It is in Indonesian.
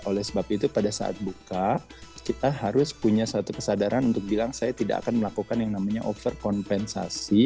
oleh sebab itu pada saat buka kita harus punya satu kesadaran untuk bilang saya tidak akan melakukan yang namanya overkompensasi